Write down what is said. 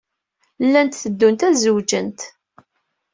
Llant teddunt ad zewǧent.